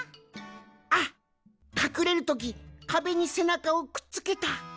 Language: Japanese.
あっかくれるときかべにせなかをくっつけた。